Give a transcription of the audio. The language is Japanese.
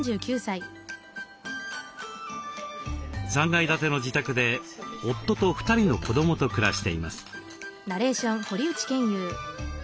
３階建ての自宅で夫と２人の子どもと暮らしています。